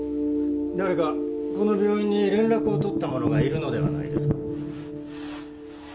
誰かこの病院に連絡を取った者がいるのではないですか？